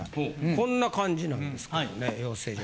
こんな感じなんですけどね養成所。